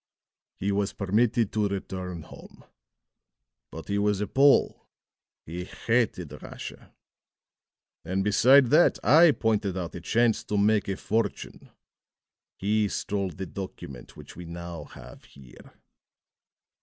He was permitted to return home. But he was a Pole; he hated Russia; and beside that, I pointed out a chance to make a fortune. He stole the document which we now have here."